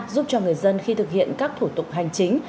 giúp cho người dân khi thực hiện các thủ tục hành chính